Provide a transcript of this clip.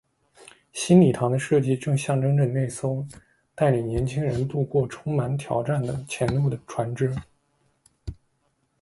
新礼堂的设计正象征着那艘带领年青人渡过充满挑战的前路的船只。